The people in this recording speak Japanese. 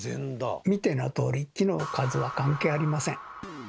見てのとおり木の数は関係ありません。